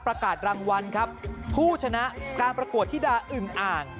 ประกาศรางวัลครับผู้ชนะการประกวดธิดาอึมอ่าง